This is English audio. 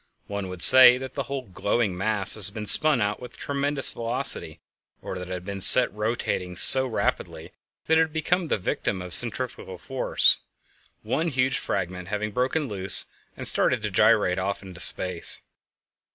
One would say that the whole glowing mass had been spun about with tremendous velocity, or that it had been set rotating so rapidly that it had become the victim of "centrifugal force," one huge fragment having broken loose and started to gyrate off into space.